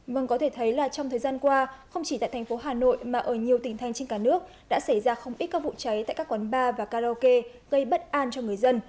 vâng có thể thấy là trong thời gian qua không chỉ tại thành phố hà nội mà ở nhiều tỉnh thanh trên cả nước đã xảy ra không ít các vụ cháy tại các quán bar và karaoke gây bất an cho người dân